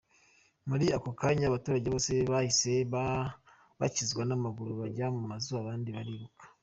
Muri ako kanya abaturage bose bahise bakizwa n’amaguru bajya mu mazu abandi bariruka!